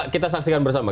kita saksikan bersama